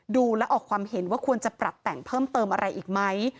ดูและออกความเห็นว่าควรจะปรับแต่งเพิ่มเติมอะไรอีกไหม